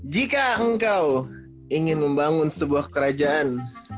jika engkau ingin membangun sebuah kerajaan